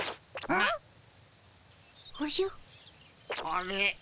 あれ？